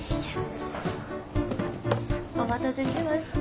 お待たせしました。